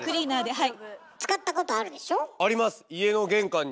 はい。